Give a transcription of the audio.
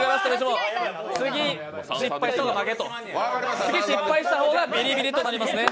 次、失敗したら、負け、ビリビリとなりますね。